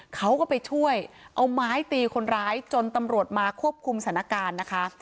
เขาก็ไปช่วยเอาไม้ตีคนร้ายจนตำรวจมาควบคุมสถานการณ์นะคะ